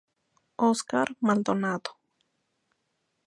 Oscar Maldonado